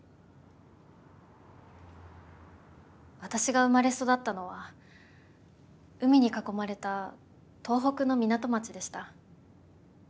私が生まれ育ったのは海に囲まれた東北の港町でした。